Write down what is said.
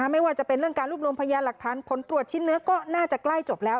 ไม่ว่าจะเป็นเรื่องการรวบรวมพยานหลักฐานผลตรวจชิ้นเนื้อก็น่าจะใกล้จบแล้ว